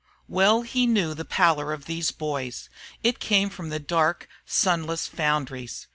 Well he knew the pallor of these boys; it came from the dark, sunless foundries.